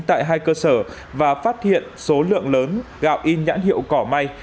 tại hai cơ sở và phát hiện số lượng lớn gạo in nhãn hiệu cỏ mây